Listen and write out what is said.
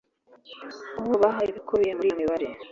uwo baha ibikubiye muri iyo mibare